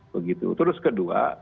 begitu terus kedua